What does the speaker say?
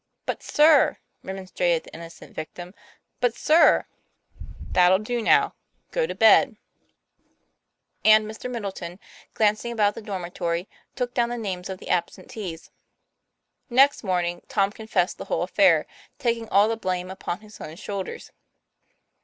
But, sir " remonstrated the innocent victim but, sir " "That'll do now; go to bed." u 8o TOM PL A YFA1R. And Mr. Middleton, glancing about the dormitory, took down the names of the absentees. Next morning Tom confessed the whole affair, taking all the blame upon his own shoulders.